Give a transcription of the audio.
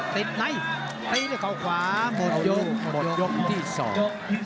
ติดไหนตีดเขาขวาหมดยกที่สอง